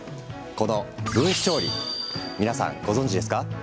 この分子調理皆さん、ご存じですか？